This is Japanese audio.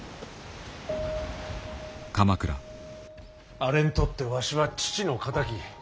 あれにとってわしは父の敵。